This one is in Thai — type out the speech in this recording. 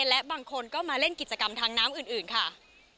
และบางคนก็มาเล่นกิจกรรมทางน้ำอื่นค่ะ